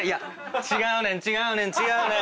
違うねん違うねん違うねん！